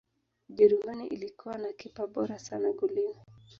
ujerumani ilikuwa na kipa bora sana golini